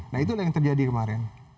nah itulah yang terjadi kemarin